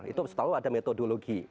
itu setelah ada metodologi